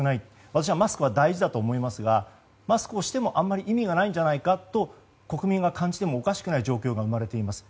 私はマスクは大事だと思いますがマスクをしてもあまり意味がないんじゃないかと国民は感じてもおかしくない状況が生まれています。